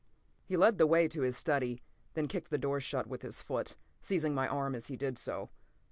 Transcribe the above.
p> He led the way to his study, then kicked the door shut with his foot, seizing my arm as he did so.